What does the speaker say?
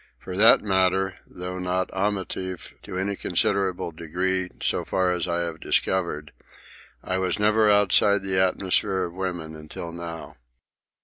For that matter, though not amative to any considerable degree so far as I have discovered, I was never outside the atmosphere of women until now.